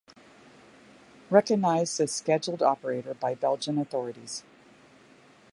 Recognized as Scheduled Operator by Belgian Authorities.